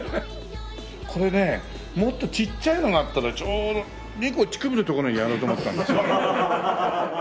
これねもっとちっちゃいのがあったらちょうど２個乳首のところにやろうと思ったんですよ。